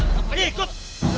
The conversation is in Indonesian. coba lanjut pak